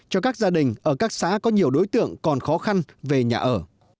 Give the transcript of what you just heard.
cho các gia đình ở các xã có nhiều đối tượng còn khó khăn về nhà ở